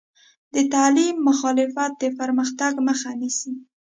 د تعلیم مخالفت د پرمختګ مخه نیسي.